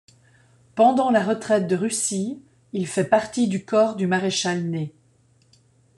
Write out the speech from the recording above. Pendant la retraite de Russie, il fait partie du corps du maréchal Ney.